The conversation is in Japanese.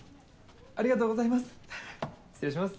ありがとうございますははっ失礼します。